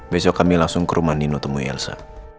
besok kami langsung ke rumah nino temu elsa